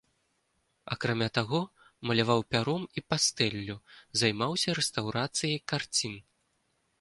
Акрамя таго, маляваў пяром і пастэллю, займаўся рэстаўрацыяй карцін.